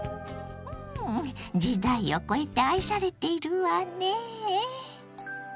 時代を超えて愛されているわね。